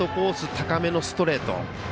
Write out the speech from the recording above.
高めのストレート。